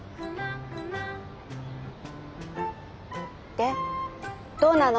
でどうなの？